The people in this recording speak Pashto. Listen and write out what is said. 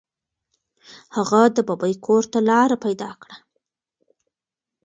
هغه د ببۍ کور ته لاره پیدا کړه.